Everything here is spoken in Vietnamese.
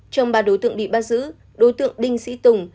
trong ba đối tượng bị bắt giữ đối tượng đinh sĩ tùng